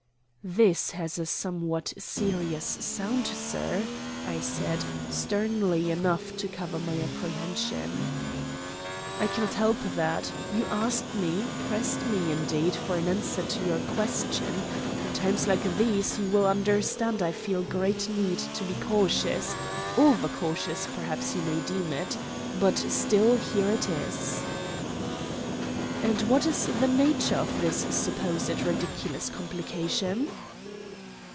"This has a somewhat serious sound, sir," I said, sternly enough to cover my apprehension. "I cannot help that. You asked me, pressed me, indeed, for an answer to your question. In times like these you will understand I feel great need to be cautious overcautious perhaps you may deem it. But still here it is." "And what is the nature of this supposed ridiculous complication?"